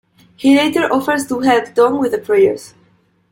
He later offers to help Don with the prayers.